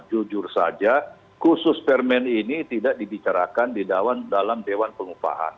jujur saja khusus permen ini tidak dibicarakan di dalam dewan pengupahan